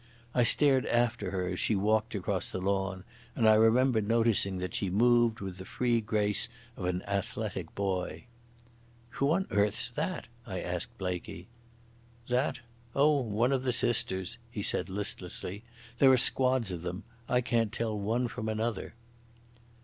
I stared after her as she walked across the lawn, and I remember noticing that she moved with the free grace of an athletic boy. "Who on earth's that?" I asked Blaikie. "That? Oh, one of the sisters," he said listlessly. "There are squads of them. I can't tell one from another."